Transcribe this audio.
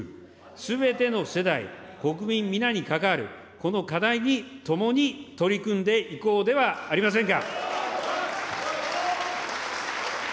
すべての世代、国民皆に関わるこの課題に共に取り組んでいこうではありませんか。